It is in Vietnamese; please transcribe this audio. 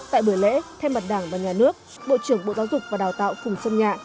tại buổi lễ thêm bản đảng và nhà nước bộ trưởng bộ giáo dục và đào tạo phùng sơn nhạ